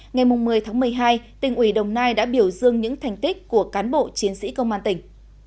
ngày một mươi một mươi hai tỉnh ủy đồng nai đã biểu dương những thành tích của cán bộ chiến sĩ công an tỉnh